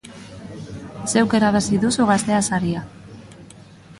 Zeuk irabazi duzu Gaztea saria!